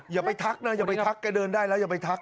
อย่าไปทักนะอย่าไปทักแกเดินได้แล้วอย่าไปทัก